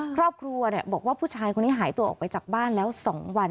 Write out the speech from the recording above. ครอบครัวบอกว่าผู้ชายคนนี้หายตัวออกไปจากบ้านแล้ว๒วัน